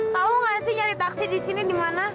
tahu gak sih nyari taksi di sini di mana